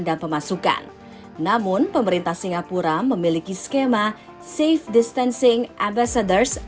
ada pelanggan yang datang ke pemerintahan ini